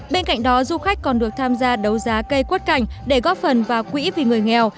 bên cạnh đó du khách còn được tham gia đấu giá cây quất cảnh để góp phần vào quỹ vì người nghèo